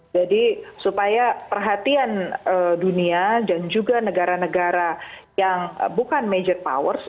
jadi supaya perhatian dunia dan juga negara negara yang bukan major powers